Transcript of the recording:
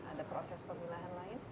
ada proses pemilahan lain